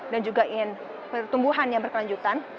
dan juga pertumbuhan yang berkelanjutan